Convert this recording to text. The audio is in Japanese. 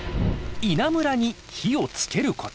稲むらに火をつけること。